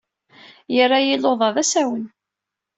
Yerra-iyi luḍa d asawen.